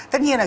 tất nhiên là